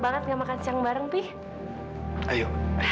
aku gak mau